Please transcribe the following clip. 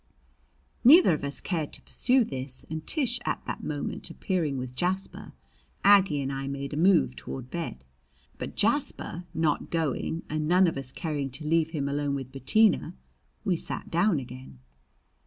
Neither of us cared to pursue this, and Tish at that moment appearing with Jasper, Aggie and I made a move toward bed. But Jasper not going, and none of us caring to leave him alone with Bettina, we sat down again.